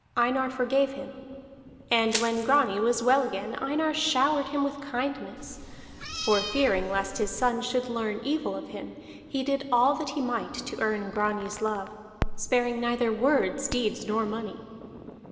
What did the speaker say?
Einar forgave him. And when Grani was well again Einar showered him with kindnesses, for fearing lest his son should learn evil of him he did all that he might to earn Grani's love, sparing neither words, deeds, nor money.